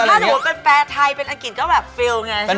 ถ้าสมมุติเป็นแฟร์ไทยเป็นอังกฤษก็แบบฟิลล์ไง